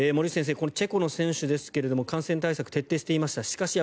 このチェコの選手ですが感染対策を徹底していました。